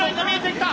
きた！